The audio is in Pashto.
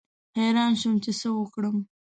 حیران شوم چې څه وکړم.